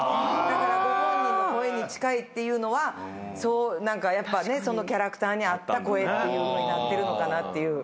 だからご本人の声に近いっていうのはやっぱねそのキャラクターに合った声っていうふうになってるのかなっていう。